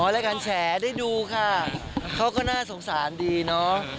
อ๋อแล้วกันแฉได้ดูค่ะเขาก็น่าสงสารดีเนาะ